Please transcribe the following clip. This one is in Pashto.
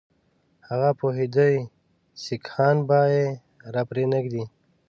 هغه پوهېدی سیکهان به یې را پرې نه ږدي.